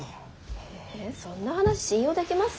えそんな話信用できます？